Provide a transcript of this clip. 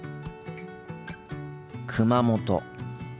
熊本。